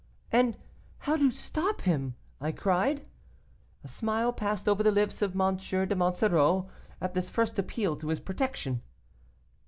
"'And how to stop him?' I cried. A smile passed over the lips of M. de Monsoreau at this first appeal to his protection.